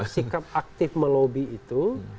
sikap aktif melobi itu